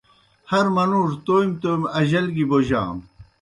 ہر منُوڙوْ تومی تومیْ اجل گیْ بوجانوْ۔